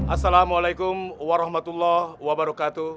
assalamualaikum warahmatullahi wabarakatuh